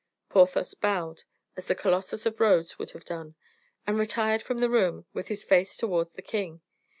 Porthos bowed as the Colossus of Rhodes would have done, and retired from the room with his face towards the king.